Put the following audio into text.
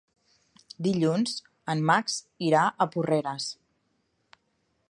Dilluns en Max irà a Porreres.